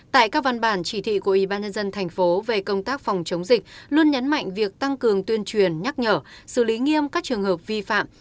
tại các văn bản chỉ thị của ybnd tp về công tác phòng chống dịch luôn nhấn mạnh việc tăng cường tuyên truyền nhắc nhở xử lý nghiêm các trường hợp vi phạm